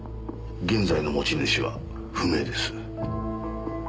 現在の持ち主は不明です。